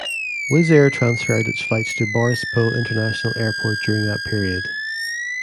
Wizz Air transferred its flights to Boryspil International Airport during that period.